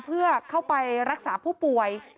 เพื่อเข้าไปรักษาผู้ป่วย